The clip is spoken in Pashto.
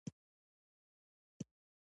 د حیرتان بندر په شمال کې دی